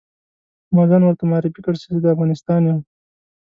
ما ځان ورته معرفي کړ چې زه د افغانستان یم.